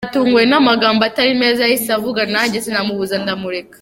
Natunguwe n'amagambo atari meza yahise avuga nanjye sinamubuza ndamureka.